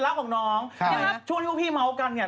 ได้ไหมพวกชาย